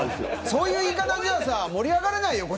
そういう言い方じゃ盛り上がれないよ。